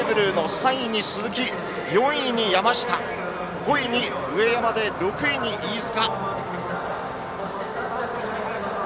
３位に鈴木、４位に山下５位に上山、６位は飯塚。